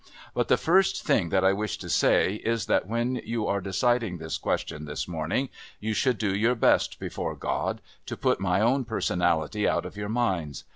"But the first thing that I wish to say is that when you are deciding this question this morning you should do your best, before God, to put my own personality out of your minds.